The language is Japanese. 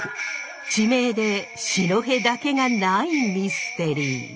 地名で四戸だけがないミステリー。